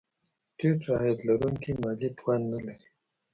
ټیټ عاید لرونکي مالي توان نه لري.